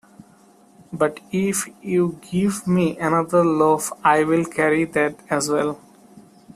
But if you give me another loaf I will carry that as well.